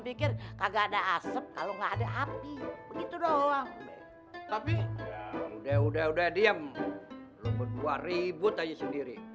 pikir kagak ada asap kalau nggak ada api begitu doang tapi udah udah udah diem berdua ribut aja sendiri